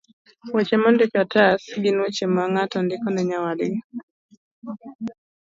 Weche mondiki e otas gin weche ma ng'ato ndiko ne nyawadgi